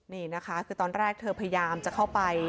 นี่นะคะคือตอนแรกเธอพยายามจะเข้าไป